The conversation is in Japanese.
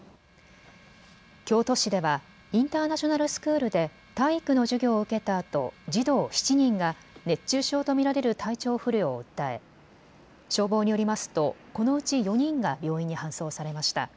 京都市ではインターナショナルスクールで体育の授業を受けたあと、児童７人が熱中症と見られる体調不良を訴え消防によりますとこのうち４人が病院に搬送されました。